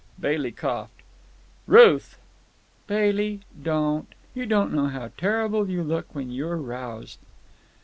Bailey coughed. "Ruth!" "Bailey, don't! You don't know how terrible you look when you're roused."